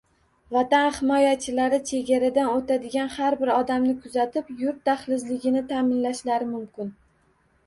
Vatan himoyachilari chegaradan o‘tadigan har bir odamni kuzatib, yurt daxlsizligini ta’minlashlari mumkin.